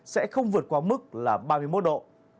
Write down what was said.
sẽ không vượt qua mức là ba mươi một độ